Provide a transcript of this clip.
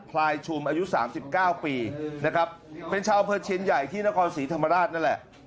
พลายชุมอายุ๓๙ปีนะครับเป็นชาวอำเภอเชียนใหญ่ที่นครศรีธรรมราชนั่นแหละ